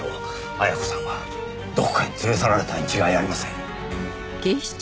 絢子さんはどこかに連れ去られたに違いありません。